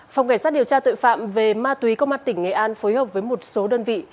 phòng cảnh sát điều tra tội phạm về ma túy công an tỉnh nghệ an phối hợp với một số đơn vị